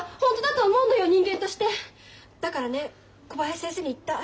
だからね小林先生に言った。